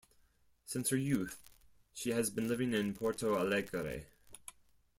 Since her youth she has been living in Porto Alegre.